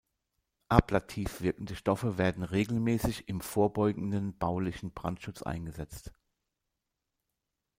Ablativ wirkende Stoffe werden regelmäßig im vorbeugenden baulichen Brandschutz eingesetzt.